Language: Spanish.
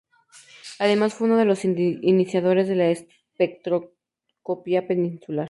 Además, fue uno de los iniciadores de la espectroscopia peninsular.